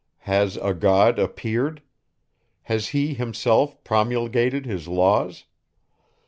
Has a God appeared? Has he himself promulgated his laws?